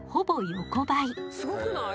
すごくない？